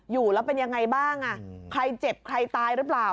อยู่แล้วเป็นยังไงบ้างอ่ะใครเจ็บใครตายหรือเปล่า